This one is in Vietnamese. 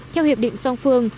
theo hiệp định song phương